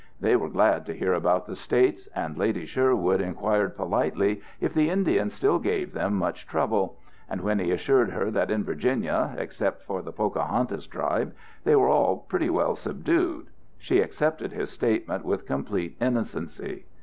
They were glad to hear about the States, and Lady Sherwood inquired politely if the Indians still gave them much trouble; and when he assured her that in Virginia, except for the Pocahontas tribe, they were all pretty well subdued, she accepted his statement with complete innocency.